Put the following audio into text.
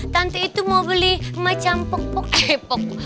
tante itu mau beli macam pok pok